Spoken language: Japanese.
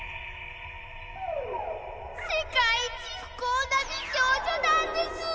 世界一不幸な美少女なんです！